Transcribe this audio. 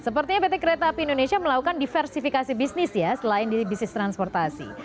sepertinya pt kereta api indonesia melakukan diversifikasi bisnis ya selain di bisnis transportasi